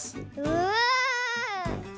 うわ。